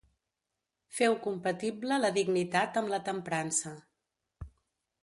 Feu compatible la dignitat amb la temprança.